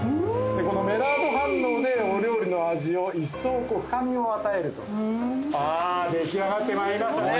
このメイラード反応でお料理の味を一層深みを与えるとああー出来上がってまいりましたね